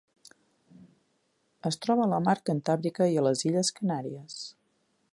Es troba a la Mar Cantàbrica i a les Illes Canàries.